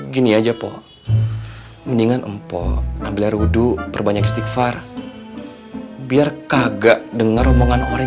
gini aja mpok mendingan mpok ambil air wudhu perbanyak istighfar biar kagak denger omongan orang